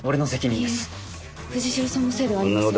いいえ藤代さんのせいではありません。